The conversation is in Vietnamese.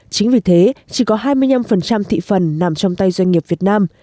chính vì thế chỉ có hai mươi năm thị phần nằm trong tay doanh nghiệp việt nam